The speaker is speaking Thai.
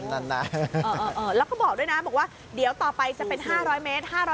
นั่นนะแล้วก็บอกด้วยนะบอกว่าเดี๋ยวต่อไปจะเป็น๕๐๐เมตร